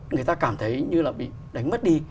người ta cảm thấy như là bị đánh mất đi